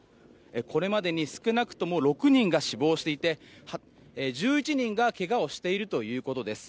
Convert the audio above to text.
これまでに少なくとも６人が死亡していて１１人がけがをしているということです。